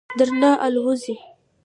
درنه آلوځي.